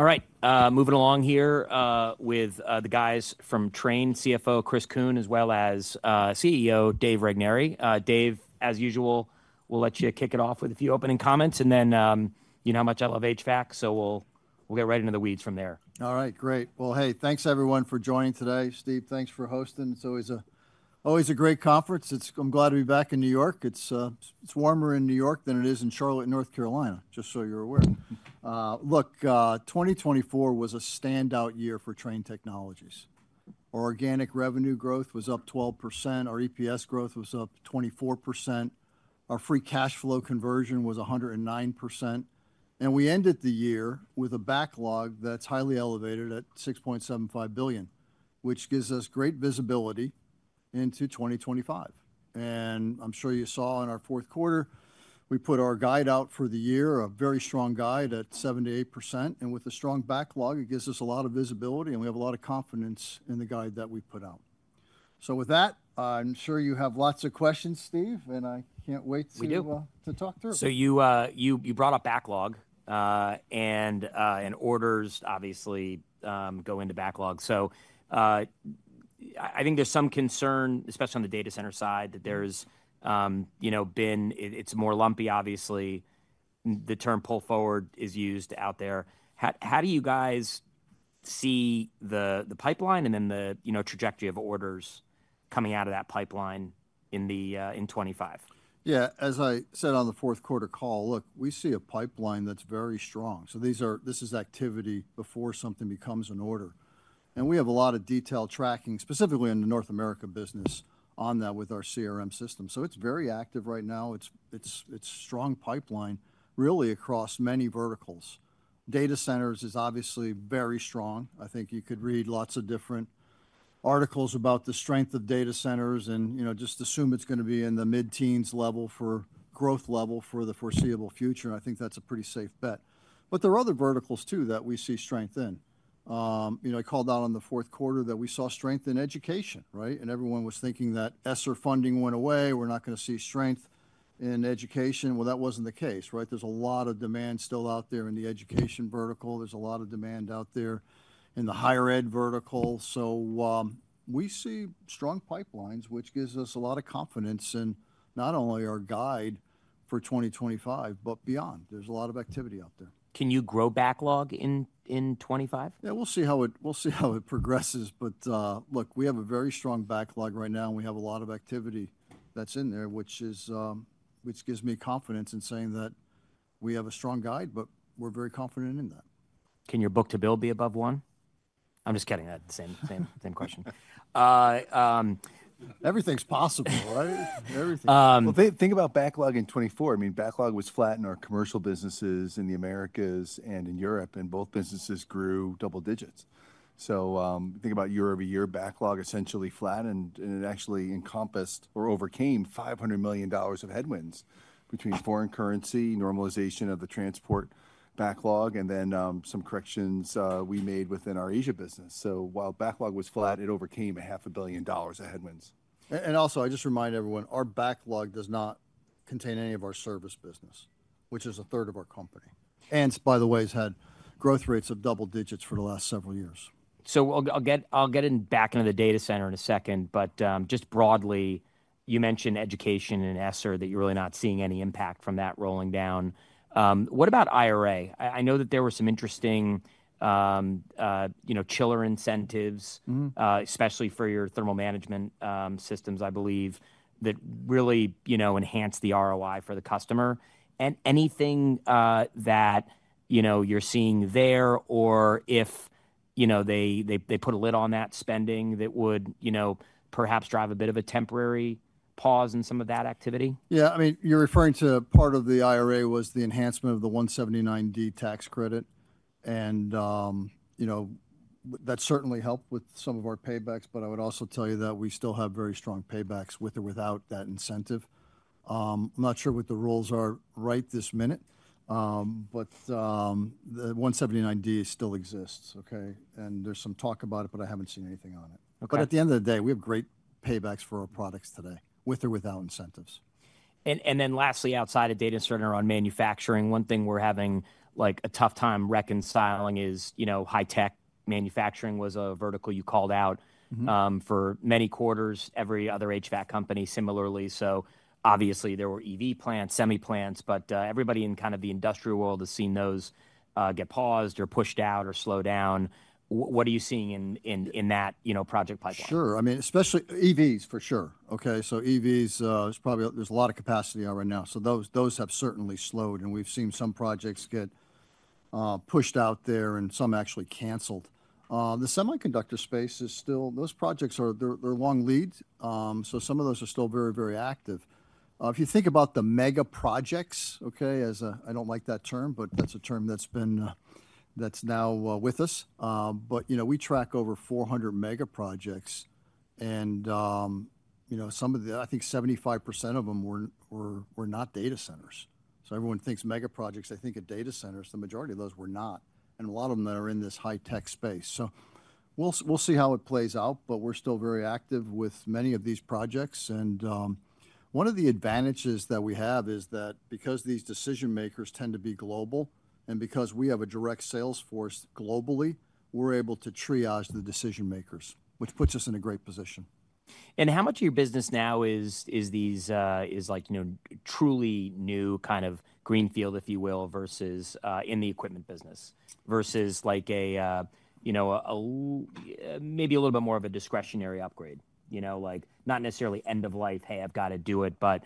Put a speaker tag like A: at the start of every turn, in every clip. A: All right, moving along here with the guys from Trane, CFO Chris Kuehn, as well as CEO Dave Regnery. Dave, as usual, we'll let you kick it off with a few opening comments, and then you know how much I love HVAC, so we'll get right into the weeds from there.
B: All right, great. Hey, thanks everyone for joining today. Steve, thanks for hosting. It's always a great conference. I'm glad to be back in New York. It's warmer in New York than it is in Charlotte, North Carolina, just so you're aware. Look, 2024 was a standout year for Trane Technologies. Our organic revenue growth was up 12%. Our EPS growth was up 24%. Our free cash flow conversion was 109%. We ended the year with a backlog that's highly elevated at $6.75 billion, which gives us great visibility into 2025. I'm sure you saw in our fourth quarter, we put our guide out for the year, a very strong guide at 78%. With a strong backlog, it gives us a lot of visibility, and we have a lot of confidence in the guide that we put out. With that, I'm sure you have lots of questions, Steve, and I can't wait to talk through them.
A: You brought up backlog, and orders obviously go into backlog. I think there's some concern, especially on the data center side, that it's more lumpy, obviously. The term pull forward is used out there. How do you guys see the pipeline and then the trajectory of orders coming out of that pipeline in 2025?
B: Yeah, as I said on the fourth quarter call, look, we see a pipeline that's very strong. This is activity before something becomes an order. We have a lot of detailed tracking, specifically in the North America business, on that with our CRM system. It's very active right now. It's a strong pipeline, really, across many verticals. Data centers is obviously very strong. I think you could read lots of different articles about the strength of data centers and just assume it's going to be in the mid-teens level for growth level for the foreseeable future. I think that's a pretty safe bet. There are other verticals, too, that we see strength in. I called out on the fourth quarter that we saw strength in education, right? Everyone was thinking that ESSER funding went away. We're not going to see strength in education. That wasn't the case, right? There's a lot of demand still out there in the education vertical. There's a lot of demand out there in the higher ed vertical. We see strong pipelines, which gives us a lot of confidence in not only our guide for 2025, but beyond. There's a lot of activity out there.
A: Can you grow backlog in 2025?
B: Yeah, we'll see how it progresses. Look, we have a very strong backlog right now, and we have a lot of activity that's in there, which gives me confidence in saying that we have a strong guide, but we're very confident in that.
A: Can your book to bill be above one? I'm just kidding. That's the same question.
B: Everything's possible, right? Everything. Think about backlog in 2024. I mean, backlog was flat in our commercial businesses in the Americas and in Europe, and both businesses grew double digits. Think about year-over-year backlog, essentially flat, and it actually encompassed or overcame $500 million of headwinds between foreign currency, normalization of the transport backlog, and then some corrections we made within our Asia business. While backlog was flat, it overcame a half a billion dollars of headwinds. I just remind everyone, our backlog does not contain any of our service business, which is a third of our company. By the way, it's had growth rates of double digits for the last several years.
A: I'll get back into the data center in a second, but just broadly, you mentioned education and ESSER that you're really not seeing any impact from that rolling down. What about IRA? I know that there were some interesting chiller incentives, especially for your thermal management systems, I believe, that really enhanced the ROI for the customer. Anything that you're seeing there, or if they put a lid on that spending that would perhaps drive a bit of a temporary pause in some of that activity?
B: Yeah, I mean, you're referring to part of the IRA was the enhancement of the 179D tax credit. That certainly helped with some of our paybacks, but I would also tell you that we still have very strong paybacks with or without that incentive. I'm not sure what the rules are right this minute, but the 179D still exists, okay? There's some talk about it, but I haven't seen anything on it. At the end of the day, we have great paybacks for our products today, with or without incentives.
A: Lastly, outside of data center on manufacturing, one thing we're having a tough time reconciling is high-tech manufacturing was a vertical you called out for many quarters. Every other HVAC company similarly. Obviously, there were EV plants, semi plants, but everybody in kind of the industrial world has seen those get paused or pushed out or slowed down. What are you seeing in that project pipeline?
B: Sure. I mean, especially EVs, for sure. Okay, so EVs, there's a lot of capacity on right now. Those have certainly slowed, and we've seen some projects get pushed out there and some actually canceled. The semiconductor space is still, those projects, they're long lead. Some of those are still very, very active. If you think about the mega projects, okay, I don't like that term, but that's a term that's now with us. We track over 400 mega projects, and I think 75% of them were not data centers. Everyone thinks mega projects, they think of data centers. The majority of those were not, and a lot of them that are in this high-tech space. We'll see how it plays out, but we're still very active with many of these projects. One of the advantages that we have is that because these decision makers tend to be global, and because we have a direct sales force globally, we're able to triage the decision makers, which puts us in a great position.
A: How much of your business now is like truly new kind of greenfield, if you will, versus in the equipment business, versus like maybe a little bit more of a discretionary upgrade, not necessarily end of life, hey, I've got to do it, but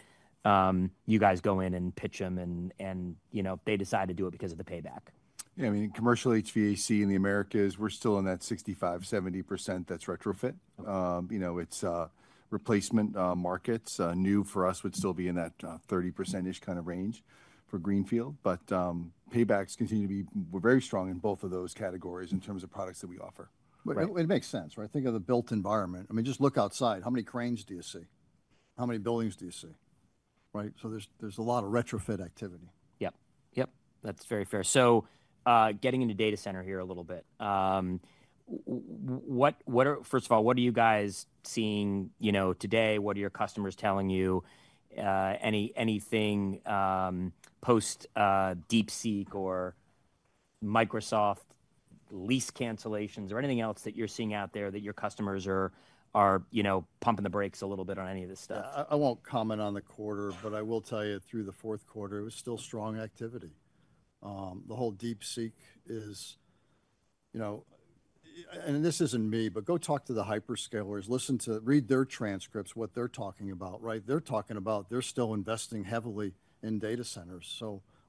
A: you guys go in and pitch them, and they decide to do it because of the payback.
B: Yeah, I mean, commercial HVAC in the Americas, we're still in that 65-70% that's retrofit. It's replacement markets. New for us would still be in that 30% kind of range for greenfield. Paybacks continue to be very strong in both of those categories in terms of products that we offer. It makes sense, right? Think of the built environment. I mean, just look outside. How many cranes do you see? How many buildings do you see? Right? There is a lot of retrofit activity.
A: Yep, yep. That's very fair. Getting into data center here a little bit, first of all, what are you guys seeing today? What are your customers telling you? Anything post-DeepSeek or Microsoft lease cancellations or anything else that you're seeing out there that your customers are pumping the brakes a little bit on any of this stuff?
B: I won't comment on the quarter, but I will tell you through the fourth quarter, it was still strong activity. The whole DeepSeek is, and this isn't me, but go talk to the hyperscalers, read their transcripts, what they're talking about, right? They're talking about they're still investing heavily in data centers.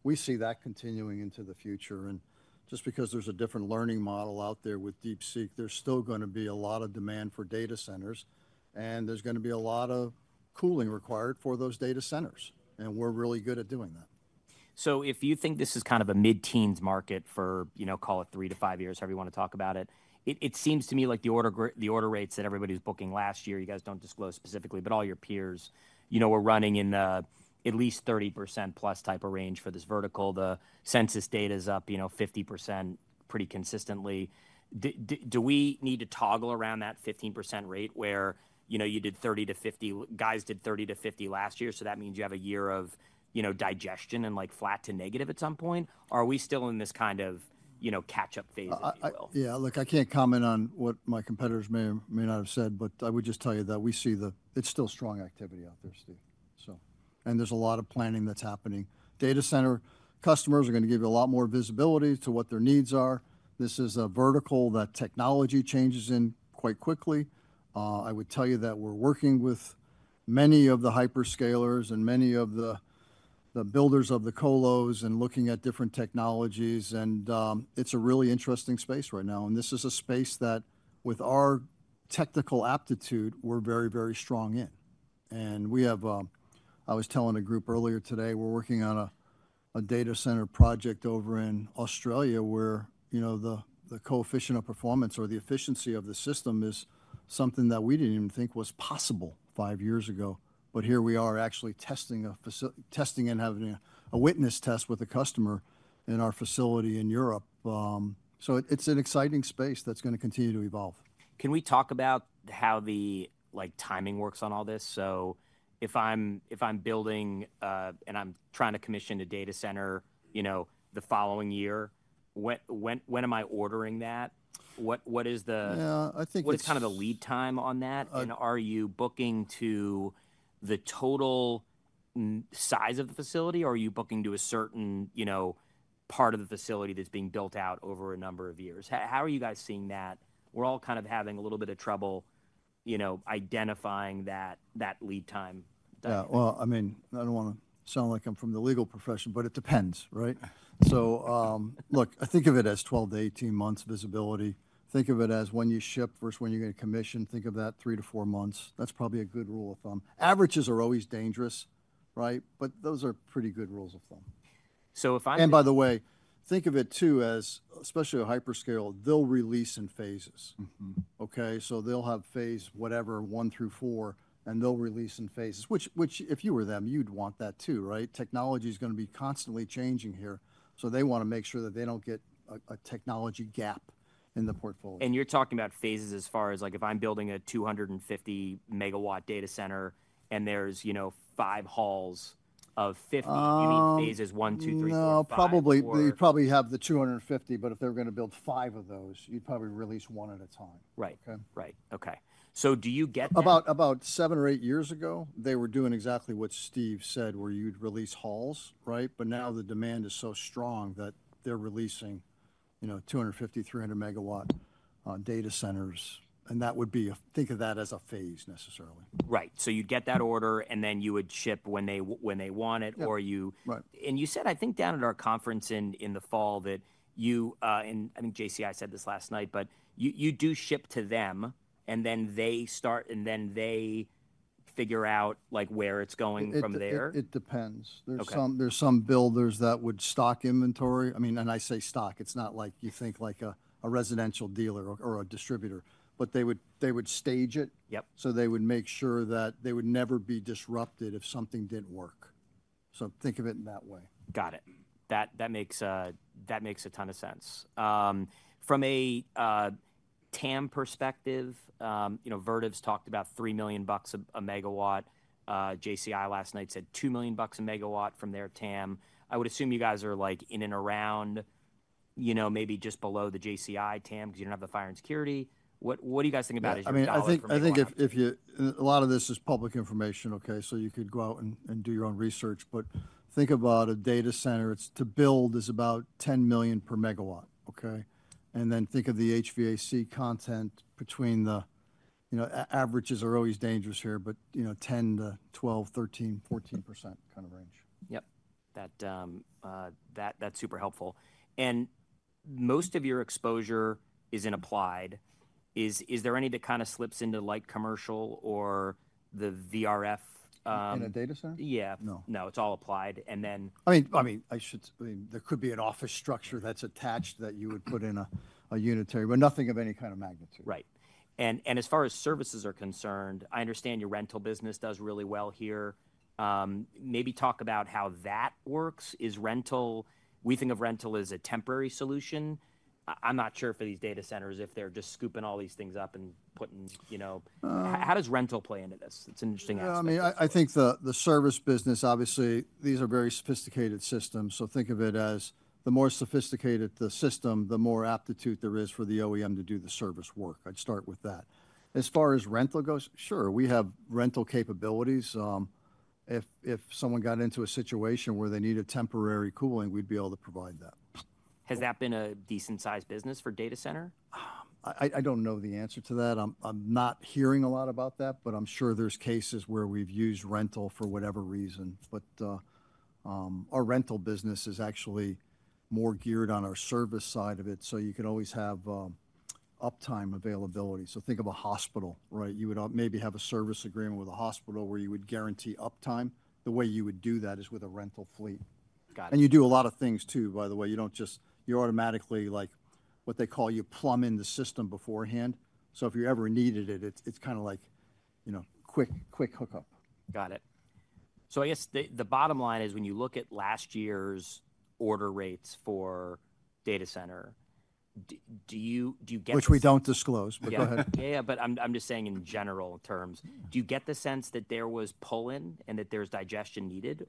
B: We see that continuing into the future. Just because there's a different learning model out there with DeepSeek, there's still going to be a lot of demand for data centers, and there's going to be a lot of cooling required for those data centers. We're really good at doing that.
A: If you think this is kind of a mid-teens market for, call it three to five years, however you want to talk about it, it seems to me like the order rates that everybody was booking last year, you guys do not disclose specifically, but all your peers were running in the at least 30%+ type of range for this vertical. The census data is up 50% pretty consistently. Do we need to toggle around that 15% rate where you did 30-50, guys did 30-50 last year? That means you have a year of digestion and flat to negative at some point. Are we still in this kind of catch-up phase as well?
B: Yeah, look, I can't comment on what my competitors may or may not have said, but I would just tell you that we see that it's still strong activity out there, Steve. There's a lot of planning that's happening. Data center customers are going to give you a lot more visibility to what their needs are. This is a vertical that technology changes in quite quickly. I would tell you that we're working with many of the hyperscalers and many of the builders of the colos and looking at different technologies. It's a really interesting space right now. This is a space that, with our technical aptitude, we're very, very strong in. I was telling a group earlier today, we're working on a data center project over in Australia where the coefficient of performance or the efficiency of the system is something that we did not even think was possible five years ago. Here we are actually testing and having a witness test with a customer in our facility in Europe. It is an exciting space that is going to continue to evolve.
A: Can we talk about how the timing works on all this? If I'm building and I'm trying to commission a data center the following year, when am I ordering that? What is the.
B: Yeah, I think it's.
A: What's kind of the lead time on that? Are you booking to the total size of the facility, or are you booking to a certain part of the facility that's being built out over a number of years? How are you guys seeing that? We're all kind of having a little bit of trouble identifying that lead time.
B: Yeah, I mean, I don't want to sound like I'm from the legal profession, but it depends, right? Look, I think of it as 12-18 months visibility. Think of it as when you ship versus when you're going to commission. Think of that 3 to 4 months. That's probably a good rule of thumb. Averages are always dangerous, right? But those are pretty good rules of thumb.
A: If I'm.
B: By the way, think of it too as, especially a hyperscale, they'll release in phases, okay? They'll have phase whatever, one through four, and they'll release in phases, which if you were them, you'd want that too, right? Technology is going to be constantly changing here. They want to make sure that they don't get a technology gap in the portfolio.
A: You're talking about phases as far as like if I'm building a 250 megawatt data center and there's five halls of 50, you need phases one, two, three, four, five.
B: No, you probably have the 250, but if they're going to build five of those, you'd probably release one at a time, okay?
A: Right, right. Okay. Do you get.
B: About seven or eight years ago, they were doing exactly what Steve said, where you'd release halls, right? Now the demand is so strong that they're releasing 250-300 megawatt data centers. That would be, think of that as a phase necessarily.
A: Right. You'd get that order, and then you would ship when they want it, or you.
B: Right.
A: You said, I think down at our conference in the fall that you, and I think JCI said this last night, but you do ship to them, and then they start, and then they figure out where it's going from there.
B: It depends. There's some builders that would stock inventory. I mean, and I say stock, it's not like you think like a residential dealer or a distributor, but they would stage it. They would make sure that they would never be disrupted if something didn't work. Think of it in that way.
A: Got it. That makes a ton of sense. From a TAM perspective, Vertiv's talked about $3 million a megawatt. JCI last night said $2 million a megawatt from their TAM. I would assume you guys are in and around maybe just below the JCI TAM because you do not have the fire and security. What do you guys think about as you are thinking about?
B: I mean, I think a lot of this is public information, okay? You could go out and do your own research, but think about a data center. To build is about $10 million per megawatt, okay? Think of the HVAC content between, the averages are always dangerous here, but 10-12, 13, 14% kind of range.
A: Yep. That's super helpful. Most of your exposure is in applied. Is there any that kind of slips into like commercial or the VRF?
B: In a data center?
A: Yeah.
B: No.
A: No, it's all applied. And then.
B: I mean, I should, I mean, there could be an office structure that's attached that you would put in a unitary way, nothing of any kind of magnitude.
A: Right. As far as services are concerned, I understand your rental business does really well here. Maybe talk about how that works. Is rental, we think of rental as a temporary solution. I'm not sure for these data centers if they're just scooping all these things up and putting, how does rental play into this? It's an interesting answer.
B: Yeah, I mean, I think the service business, obviously, these are very sophisticated systems. So think of it as the more sophisticated the system, the more aptitude there is for the OEM to do the service work. I'd start with that. As far as rental goes, sure, we have rental capabilities. If someone got into a situation where they needed temporary cooling, we'd be able to provide that.
A: Has that been a decent-sized business for data center?
B: I don't know the answer to that. I'm not hearing a lot about that, but I'm sure there's cases where we've used rental for whatever reason. Our rental business is actually more geared on our service side of it. You can always have uptime availability. Think of a hospital, right? You would maybe have a service agreement with a hospital where you would guarantee uptime. The way you would do that is with a rental fleet.
A: Got it.
B: You do a lot of things too, by the way. You do not just, you automatically, like what they call, you plumb in the system beforehand. If you ever needed it, it is kind of like quick hookup.
A: Got it. I guess the bottom line is when you look at last year's order rates for data center, do you get.
B: Which we don't disclose, but go ahead.
A: Yeah, yeah, yeah, I'm just saying in general terms, do you get the sense that there was pull-in and that there's digestion needed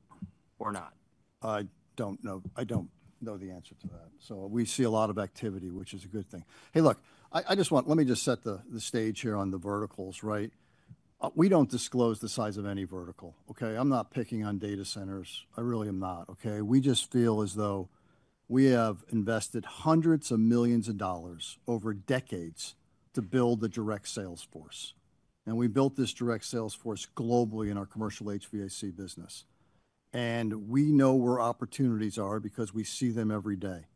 A: or not?
B: I don't know. I don't know the answer to that. We see a lot of activity, which is a good thing. Hey, look, I just want, let me just set the stage here on the verticals, right? We don't disclose the size of any vertical, okay? I'm not picking on data centers. I really am not, okay? We just feel as though we have invested hundreds of millions of dollars over decades to build the direct sales force. We built this direct sales force globally in our commercial HVAC business. We know where opportunities are because we see them every day.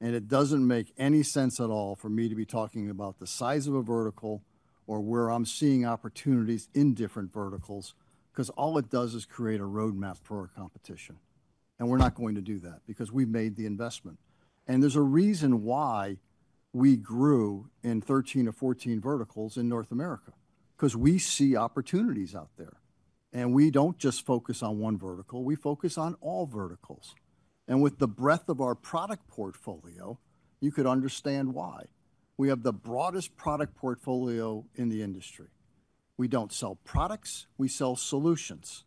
B: It doesn't make any sense at all for me to be talking about the size of a vertical or where I'm seeing opportunities in different verticals because all it does is create a roadmap for our competition. We are not going to do that because we have made the investment. There is a reason why we grew in 13 or 14 verticals in North America because we see opportunities out there. We do not just focus on one vertical. We focus on all verticals. With the breadth of our product portfolio, you could understand why. We have the broadest product portfolio in the industry. We do not sell products. We sell solutions,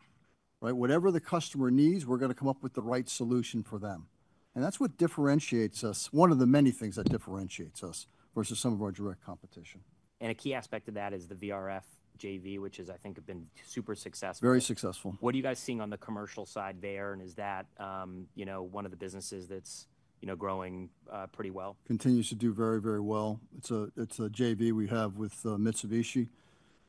B: right? Whatever the customer needs, we are going to come up with the right solution for them. That is what differentiates us, one of the many things that differentiates us versus some of our direct competition.
A: A key aspect of that is the VRF JV, which has I think been super successful.
B: Very successful.
A: What are you guys seeing on the commercial side there? Is that one of the businesses that's growing pretty well?
B: Continues to do very, very well. It's a JV we have with Mitsubishi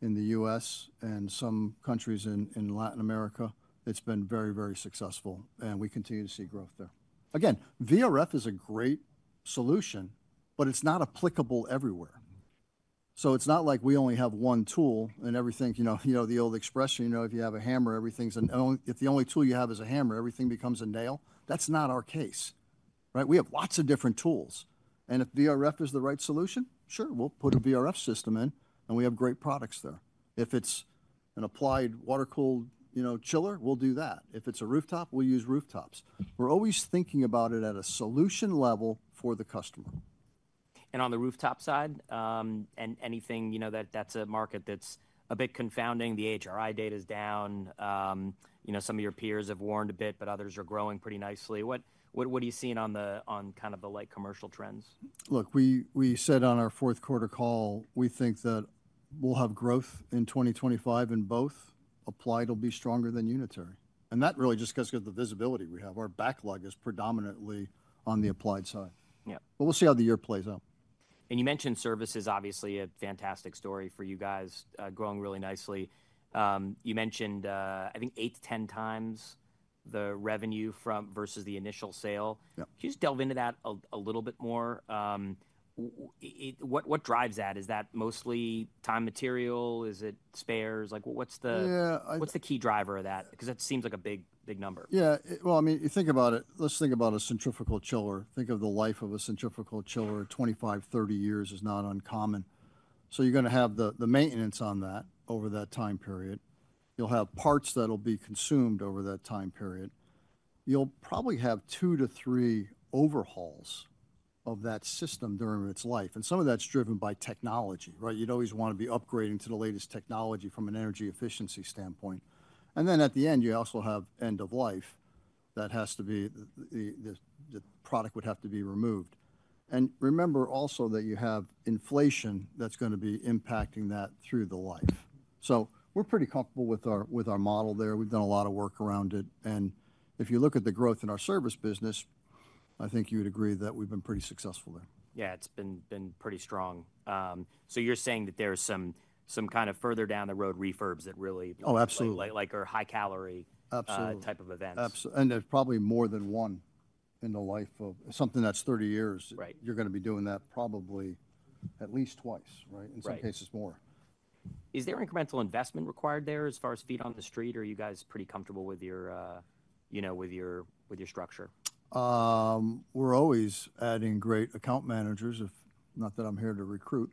B: in the US and some countries in Latin America. It's been very, very successful. We continue to see growth there. Again, VRF is a great solution, but it's not applicable everywhere. It's not like we only have one tool and everything, you know, the old expression, you know, if you have a hammer, everything's an, if the only tool you have is a hammer, everything becomes a nail. That's not our case, right? We have lots of different tools. If VRF is the right solution, sure, we'll put a VRF system in and we have great products there. If it's an applied water-cooled chiller, we'll do that. If it's a rooftop, we'll use rooftops. We're always thinking about it at a solution level for the customer.
A: On the rooftop side, anything that's a market that's a bit confounding, the HRI data is down. Some of your peers have warned a bit, but others are growing pretty nicely. What are you seeing on kind of the like commercial trends?
B: Look, we said on our fourth quarter call, we think that we'll have growth in 2025 in both. Applied will be stronger than unitary. That really just goes with the visibility we have. Our backlog is predominantly on the applied side. We'll see how the year plays out.
A: You mentioned services, obviously a fantastic story for you guys growing really nicely. You mentioned, I think, 8-10 times the revenue versus the initial sale. Can you just delve into that a little bit more? What drives that? Is that mostly time material? Is it spares? What's the key driver of that? Because that seems like a big number.
B: Yeah. I mean, you think about it, let's think about a centrifugal chiller. Think of the life of a centrifugal chiller. Twenty-five, thirty years is not uncommon. You are going to have the maintenance on that over that time period. You will have parts that will be consumed over that time period. You will probably have two to three overhauls of that system during its life. Some of that is driven by technology, right? You would always want to be upgrading to the latest technology from an energy efficiency standpoint. At the end, you also have end of life that has to be, the product would have to be removed. Remember also that you have inflation that is going to be impacting that through the life. We are pretty comfortable with our model there. We have done a lot of work around it. If you look at the growth in our service business, I think you would agree that we've been pretty successful there.
A: Yeah, it's been pretty strong. You're saying that there's some kind of further down the road refurbs that really.
B: Oh, absolutely.
A: Like are high-calorie type of events.
B: Absolutely. There is probably more than one in the life of something that is 30 years. You are going to be doing that probably at least twice, right? In some cases more.
A: Is there incremental investment required there as far as feet on the street? Are you guys pretty comfortable with your structure?
B: We're always adding great account managers, if not that I'm here to recruit.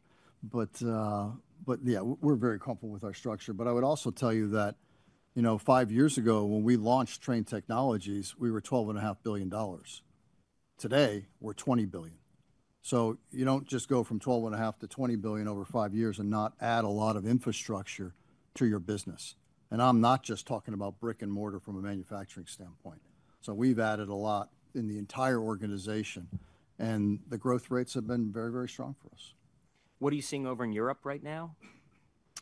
B: Yeah, we're very comfortable with our structure. I would also tell you that five years ago when we launched Trane Technologies, we were $12.5 billion. Today, we're $20 billion. You do not just go from $12.5 billion to $20 billion over five years and not add a lot of infrastructure to your business. I'm not just talking about brick and mortar from a manufacturing standpoint. We've added a lot in the entire organization. The growth rates have been very, very strong for us.
A: What are you seeing over in Europe right now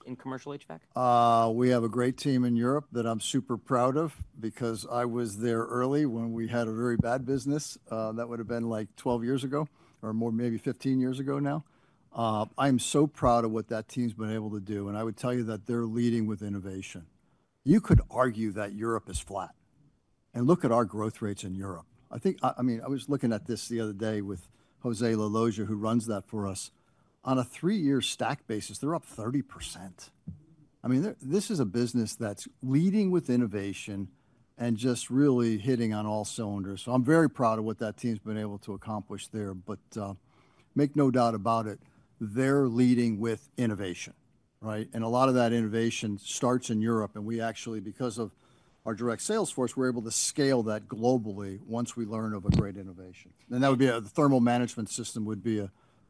A: in commercial HVAC?
B: We have a great team in Europe that I'm super proud of because I was there early when we had a very bad business. That would have been like 12 years ago or maybe 15 years ago now. I'm so proud of what that team's been able to do. I would tell you that they're leading with innovation. You could argue that Europe is flat. Look at our growth rates in Europe. I think, I mean, I was looking at this the other day with Jose La Loggia, who runs that for us. On a three-year stack basis, they're up 30%. I mean, this is a business that's leading with innovation and just really hitting on all cylinders. I'm very proud of what that team's been able to accomplish there. Make no doubt about it, they're leading with innovation, right? A lot of that innovation starts in Europe. We actually, because of our direct sales force, are able to scale that globally once we learn of a great innovation. That would be a thermal management system, which would be a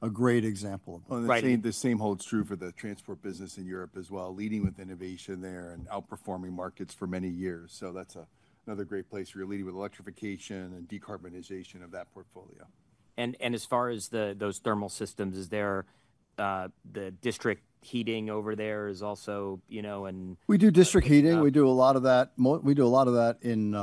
B: great example.
A: The same holds true for the transport business in Europe as well, leading with innovation there and outperforming markets for many years. That is another great place where you are leading with electrification and decarbonization of that portfolio. As far as those thermal systems, is there the district heating over there is also an.
B: We do district heating. We do a lot of that. We do a lot of that in,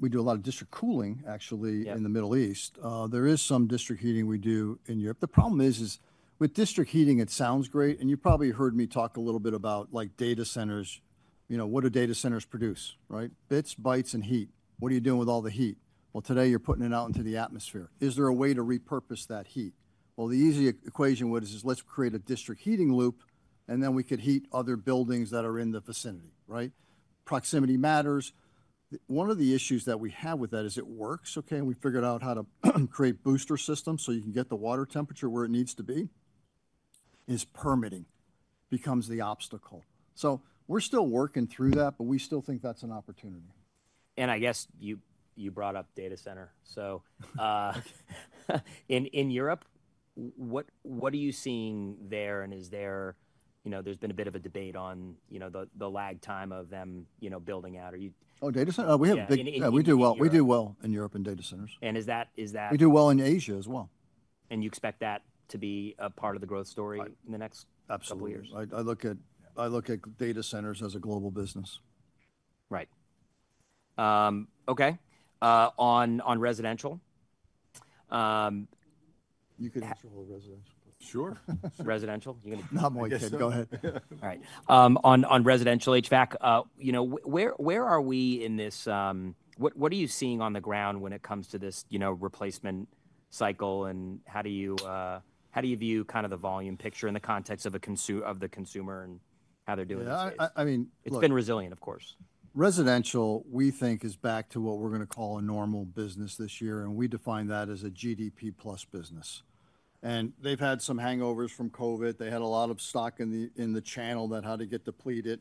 B: we do a lot of district cooling actually in the Middle East. There is some district heating we do in Europe. The problem is, is with district heating, it sounds great. You probably heard me talk a little bit about like data centers, you know what do data centers produce, right? Bits, bytes, and heat. What are you doing with all the heat? Today you're putting it out into the atmosphere. Is there a way to repurpose that heat? The easy equation would is let's create a district heating loop, and then we could heat other buildings that are in the vicinity, right? Proximity matters. One of the issues that we have with that is it works, okay? We figured out how to create booster systems so you can get the water temperature where it needs to be. Permitting becomes the obstacle. We are still working through that, but we still think that is an opportunity.
A: I guess you brought up data center. In Europe, what are you seeing there? Is there, there's been a bit of a debate on the lag time of them building out? Are you.
B: Oh, data center? We do well in Europe in data centers.
A: Is that.
B: We do well in Asia as well.
A: You expect that to be a part of the growth story in the next couple of years?
B: Absolutely. I look at data centers as a global business.
A: Right. Okay. On residential.
B: You could answer all residential.
A: Sure. Residential.
B: Not my thing. Go ahead.
A: All right. On residential HVAC, where are we in this? What are you seeing on the ground when it comes to this replacement cycle? How do you view kind of the volume picture in the context of the consumer and how they're doing this year? It's been resilient, of course.
B: Residential, we think is back to what we're going to call a normal business this year. We define that as a GDP plus business. They have had some hangovers from COVID. They had a lot of stock in the channel that had to get depleted.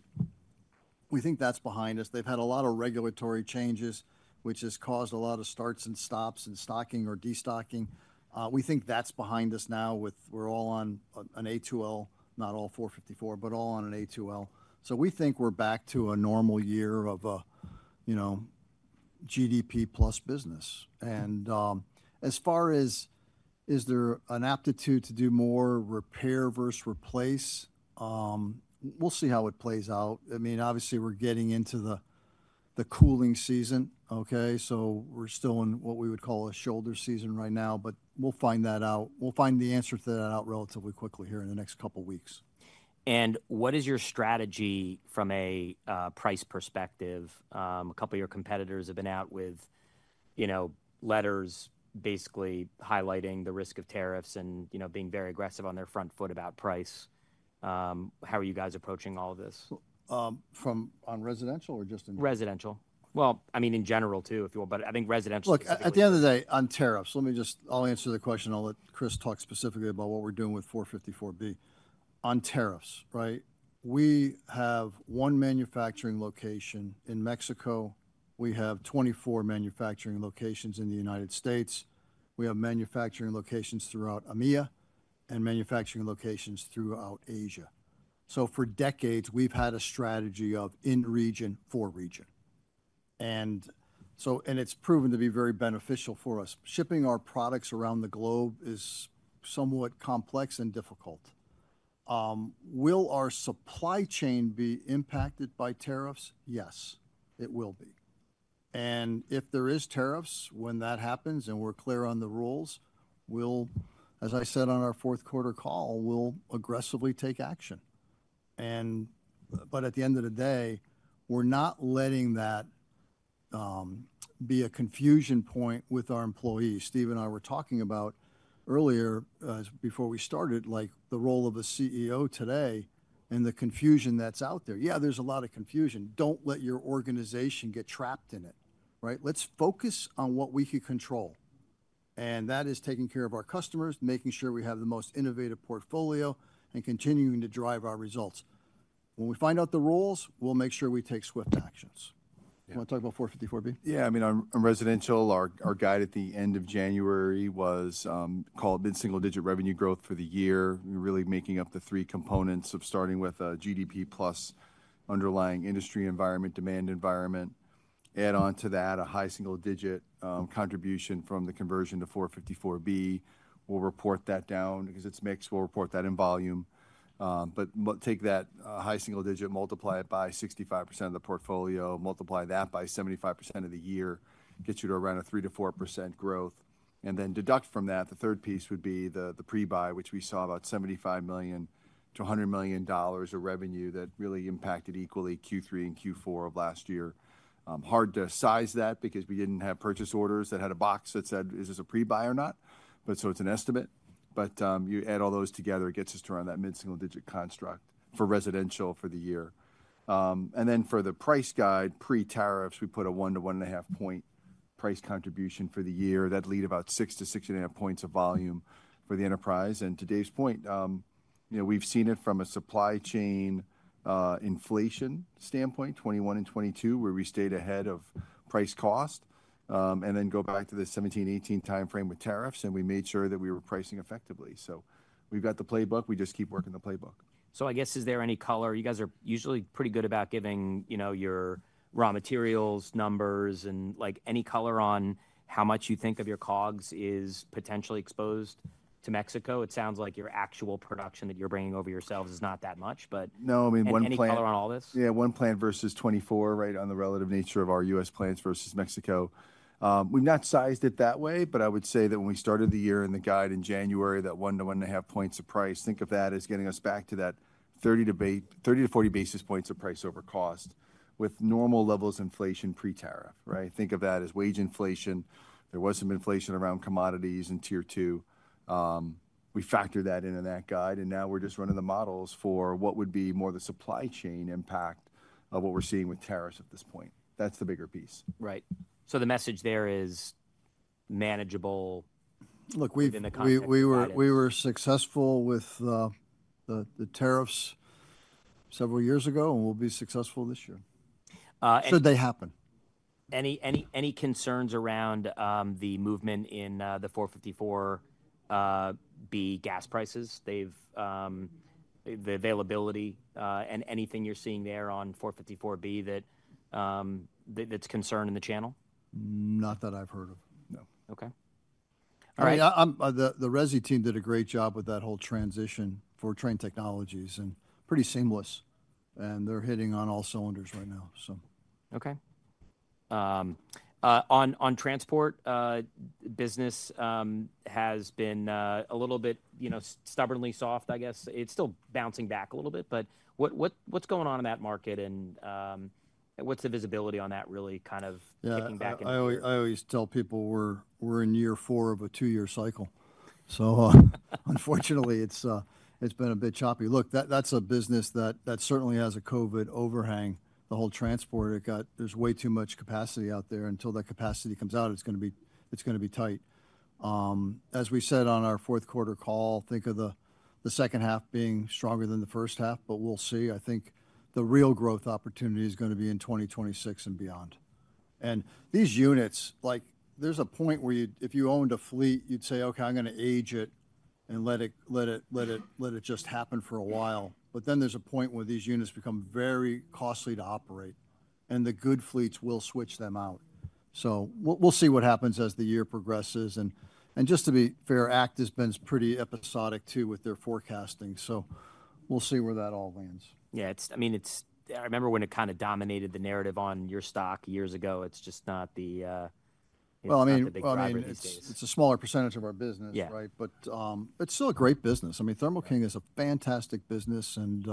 B: We think that's behind us. They have had a lot of regulatory changes, which has caused a lot of starts and stops and stocking or destocking. We think that's behind us now with we're all on an A2L, not all 454, but all on an A2L. We think we're back to a normal year of GDP plus business. As far as is there an aptitude to do more repair versus replace, we'll see how it plays out. I mean, obviously we're getting into the cooling season, okay? We are still in what we would call a shoulder season right now, but we will find that out. We will find the answer to that out relatively quickly here in the next couple of weeks.
A: What is your strategy from a price perspective? A couple of your competitors have been out with letters basically highlighting the risk of tariffs and being very aggressive on their front foot about price. How are you guys approaching all of this?
B: From on residential or just in?
A: Residential. I mean, in general too, if you want, but I think residential.
B: Look, at the end of the day, on tariffs, let me just, I'll answer the question. I'll let Chris talk specifically about what we're doing with 454B. On tariffs, right? We have one manufacturing location in Mexico. We have 24 manufacturing locations in the United States. We have manufacturing locations throughout EMEA and manufacturing locations throughout Asia. For decades, we've had a strategy of in region, for region. It's proven to be very beneficial for us. Shipping our products around the globe is somewhat complex and difficult. Will our supply chain be impacted by tariffs? Yes, it will be. If there is tariffs, when that happens and we're clear on the rules, we'll, as I said on our fourth quarter call, aggressively take action. At the end of the day, we're not letting that be a confusion point with our employees. Steve and I were talking about earlier before we started, like the role of a CEO today and the confusion that's out there. Yeah, there's a lot of confusion. Don't let your organization get trapped in it, right? Let's focus on what we can control. That is taking care of our customers, making sure we have the most innovative portfolio and continuing to drive our results. When we find out the rules, we'll make sure we take swift actions. You want to talk about 454B?
C: Yeah. I mean, on residential, our guide at the end of January was called mid-single digit revenue growth for the year. We're really making up the three components of starting with GDP plus underlying industry environment, demand environment. Add on to that a high single digit contribution from the conversion to 454B. We'll report that down because it's mixed. We'll report that in volume. But take that high single digit, multiply it by 65% of the portfolio, multiply that by 75% of the year, gets you to around a 3-4% growth. And then deduct from that, the third piece would be the pre-buy, which we saw about $75 million-$100 million of revenue that really impacted equally Q3 and Q4 of last year. Hard to size that because we didn't have purchase orders that had a box that said, is this a pre-buy or not? It is an estimate. You add all those together, it gets us to around that mid-single digit construct for residential for the year. For the price guide, pre-tariffs, we put a one to one and a half point price contribution for the year. That would lead about six to six and a half points of volume for the enterprise. To Dave's point, we have seen it from a supply chain inflation standpoint, 2021 and 2022, where we stayed ahead of price cost. Go back to the 2017, 2018 timeframe with tariffs, and we made sure that we were pricing effectively. We have the playbook. We just keep working the playbook. I guess is there any color?
A: You guys are usually pretty good about giving your raw materials numbers and like any color on how much you think of your COGS is potentially exposed to Mexico. It sounds like your actual production that you're bringing over yourselves is not that much, but.
B: No, I mean.
A: Any color on all this?
B: Yeah, one plant versus 24, right, on the relative nature of our U.S. plants versus Mexico. We've not sized it that way, but I would say that when we started the year in the guide in January, that one to one and a half points of price, think of that as getting us back to that 30 to 40 basis points of price over cost with normal levels of inflation pre-tariff, right? Think of that as wage inflation. There was some inflation around commodities in tier two. We factor that in in that guide. Now we're just running the models for what would be more the supply chain impact of what we're seeing with tariffs at this point. That's the bigger piece.
A: Right. The message there is manageable.
B: Look, we were successful with the tariffs several years ago, and we'll be successful this year. Should they happen.
A: Any concerns around the movement in the 454B gas prices, the availability, and anything you're seeing there on 454B that's concerned in the channel?
B: Not that I've heard of, no.
A: Okay. All right.
B: The Resi team did a great job with that whole transition for Trane Technologies and pretty seamless. They are hitting on all cylinders right now.
A: Okay. On transport, business has been a little bit stubbornly soft, I guess. It's still bouncing back a little bit, but what's going on in that market and what's the visibility on that really kind of kicking back?
B: I always tell people we're in year four of a two-year cycle. Unfortunately, it's been a bit choppy. Look, that's a business that certainly has a COVID overhang. The whole transport, there's way too much capacity out there. Until that capacity comes out, it's going to be tight. As we said on our fourth quarter call, think of the second half being stronger than the first half, but we'll see. I think the real growth opportunity is going to be in 2026 and beyond. These units, like there's a point where if you owned a fleet, you'd say, okay, I'm going to age it and let it just happen for a while. Then there's a point where these units become very costly to operate. The good fleets will switch them out. We'll see what happens as the year progresses. Just to be fair, ACT has been pretty episodic too with their forecasting. We'll see where that all lands.
A: Yeah, I mean, I remember when it kind of dominated the narrative on your stock years ago. It's just not the.
B: I mean, it's a smaller percentage of our business, right? But it's still a great business. I mean, Thermo King is a fantastic business. And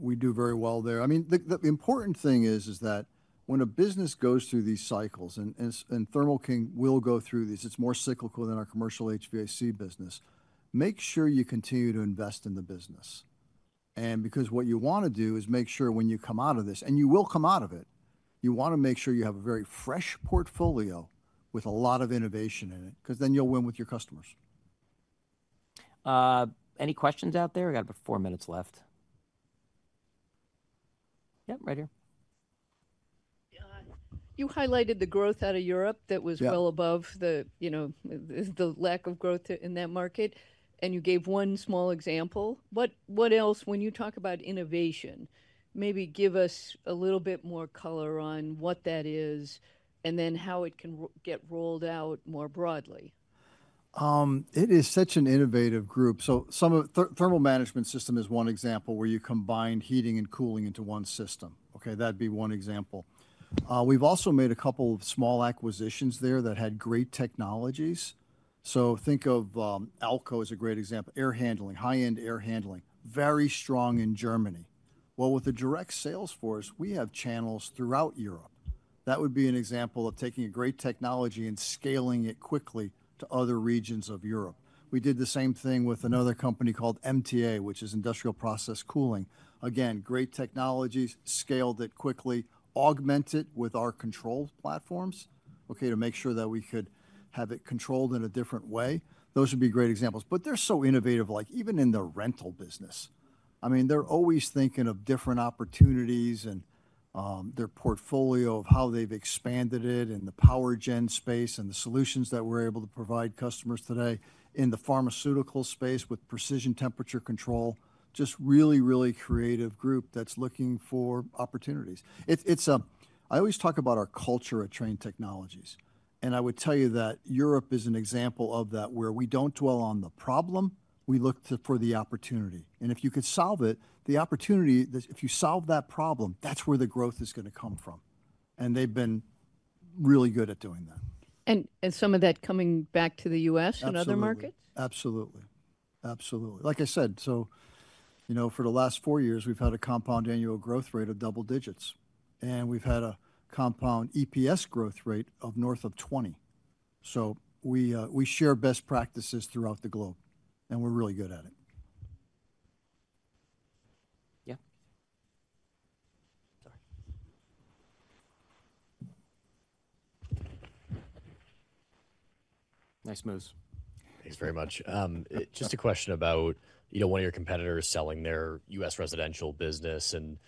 B: we do very well there. I mean, the important thing is that when a business goes through these cycles and Thermo King will go through these, it's more cyclical than our commercial HVAC business, make sure you continue to invest in the business. Because what you want to do is make sure when you come out of this, and you will come out of it, you want to make sure you have a very fresh portfolio with a lot of innovation in it, because then you'll win with your customers.
A: Any questions out there? We got about four minutes left. Yep, right here. You highlighted the growth out of Europe that was well above the lack of growth in that market. You gave one small example. What else, when you talk about innovation, maybe give us a little bit more color on what that is and then how it can get rolled out more broadly?
B: It is such an innovative group. Thermal management system is one example where you combine heating and cooling into one system. That'd be one example. We've also made a couple of small acquisitions there that had great technologies. Think of AL-KO as a great example, air handling, high-end air handling, very strong in Germany. With the direct sales force, we have channels throughout Europe. That would be an example of taking a great technology and scaling it quickly to other regions of Europe. We did the same thing with another company called MTA, which is industrial process cooling. Again, great technologies, scaled it quickly, augmented with our control platforms to make sure that we could have it controlled in a different way. Those would be great examples. They're so innovative, like even in the rental business. I mean, they're always thinking of different opportunities and their portfolio of how they've expanded it in the power gen space and the solutions that we're able to provide customers today in the pharmaceutical space with precision temperature control. Just really, really creative group that's looking for opportunities. I always talk about our culture at Trane Technologies. I would tell you that Europe is an example of that where we don't dwell on the problem. We look for the opportunity. If you could solve it, the opportunity, if you solve that problem, that's where the growth is going to come from. They've been really good at doing that. Is some of that coming back to the U.S. and other markets? Absolutely. Absolutely. Like I said, for the last four years, we've had a compound annual growth rate of double digits. And we've had a compound EPS growth rate of north of 20%. We share best practices throughout the globe. And we're really good at it.
A: Yeah. Nice moves. Thanks very much. Just a question about one of your competitors selling their U.S. residential business. And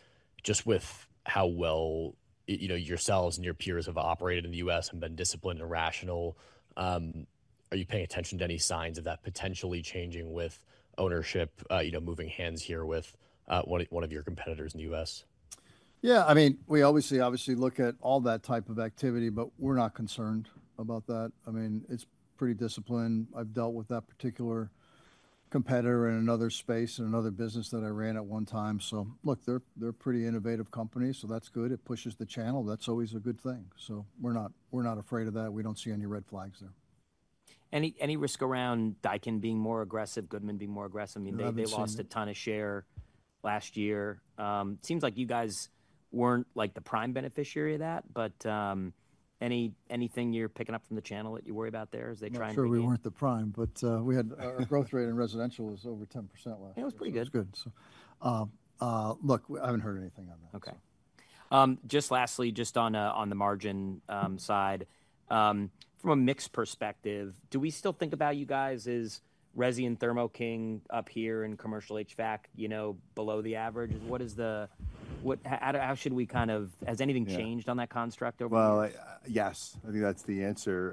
A: just with how well yourselves and your peers have operated in the U.S. and been disciplined and rational, are you paying attention to any signs of that potentially changing with ownership, moving hands here with one of your competitors in the U.S.?
B: Yeah, I mean, we obviously look at all that type of activity, but we're not concerned about that. I mean, it's pretty disciplined. I've dealt with that particular competitor in another space and another business that I ran at one time. Look, they're a pretty innovative company. That's good. It pushes the channel. That's always a good thing. We're not afraid of that. We don't see any red flags there.
A: Any risk around Daikin being more aggressive, Goodman being more aggressive? I mean, they lost a ton of share last year. It seems like you guys were not like the prime beneficiary of that, but anything you are picking up from the channel that you worry about there as they try and do something?
B: I'm sure we weren't the prime, but our growth rate in residential was over 10% last year.
A: It was pretty good.
B: It was good. Look, I haven't heard anything on that.
A: Okay. Just lastly, just on the margin side, from a mixed perspective, do we still think about you guys as Resi and Thermo King up here in commercial HVAC below the average? How should we kind of, has anything changed on that construct overall?
B: Yes, I think that's the answer.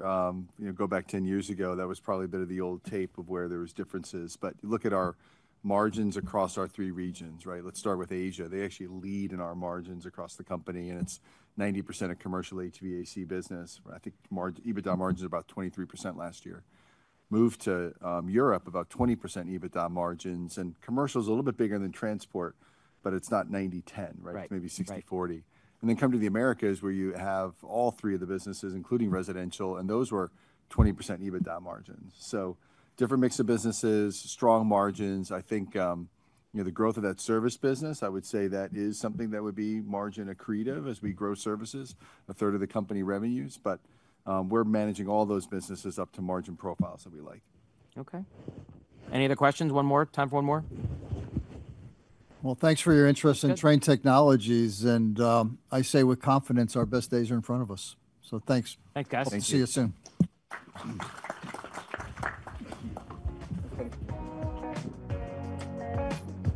B: Go back 10 years ago, that was probably a bit of the old tape of where there were differences. Look at our margins across our three regions, right? Let's start with Asia. They actually lead in our margins across the company. It's 90% of commercial HVAC business. I think EBITDA margin is about 23% last year. Move to Europe, about 20% EBITDA margins. Commercial is a little bit bigger than transport, but it's not 90-10, right? It's maybe 60-40. Come to the Americas where you have all three of the businesses, including residential, and those were 20% EBITDA margins. Different mix of businesses, strong margins. I think the growth of that service business, I would say that is something that would be margin accretive as we grow services, a third of the company revenues. We are managing all those businesses up to margin profiles that we like.
A: Okay. Any other questions? One more? Time for one more?
B: Thanks for your interest in Trane Technologies. I say with confidence, our best days are in front of us. Thanks.
A: Thanks, guys.
B: See you soon.